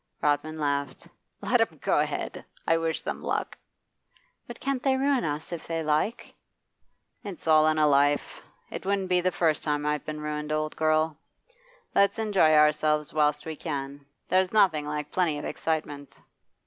Rodman laughed. 'Let 'em go ahead! I wish them luck.' 'But can't they ruin us if they like?' 'It's all in a life. It wouldn't be the first time I've been ruined, old girl. Let's enjoy ourselves whilst we can. There's nothing like plenty of excitement.